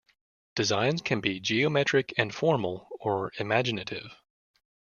Designs can be geometric and formal or imaginative.